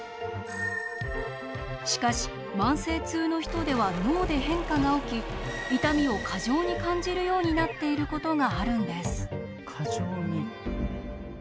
しかし慢性痛の人では脳で変化が起き痛みを過剰に感じるようになっていることがあるんです。